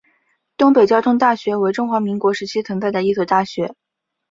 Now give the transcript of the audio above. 东北交通大学为中华民国时期存在的一所大学。